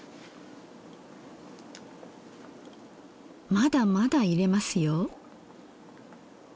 まだまだ入れますよ。